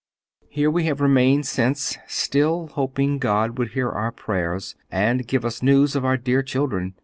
Here we have remained since, still hoping God would hear our prayers and give us news of our dear children.